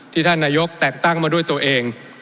ท่านนายกแต่งตั้งมาด้วยตัวเอง